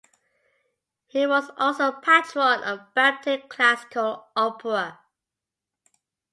He was also a Patron of Bampton Classical Opera.